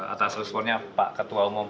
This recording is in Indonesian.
atas responnya pak ketua umum